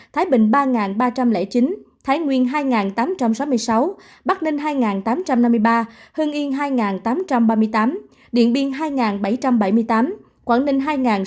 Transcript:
thái bình ba ba trăm linh chín thái nguyên hai tám trăm sáu mươi sáu bắc ninh hai tám trăm năm mươi ba hương yên hai tám trăm ba mươi tám điện biên hai bảy trăm bảy mươi tám quảng ninh hai sáu trăm chín mươi ba